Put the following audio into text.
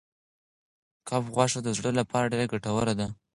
کب غوښه د زړه لپاره ډېره ګټوره ده.